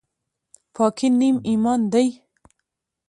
پاکي نیم ایمان دی